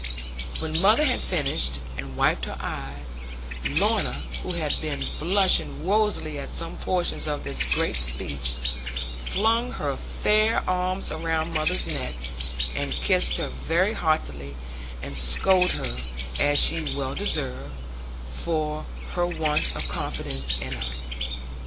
When mother had finished, and wiped her eyes, Lorna, who had been blushing rosily at some portions of this great speech, flung her fair arms around mother's neck, and kissed her very heartily, and scolded her (as she well deserved) for her want of confidence in us.